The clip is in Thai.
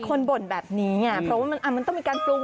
บ่นแบบนี้ไงเพราะว่ามันต้องมีการปรุง